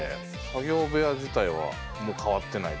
作業部屋自体は変わってない？